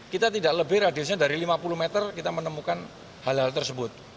kita tidak lebih radiusnya dari lima puluh meter kita menemukan hal hal tersebut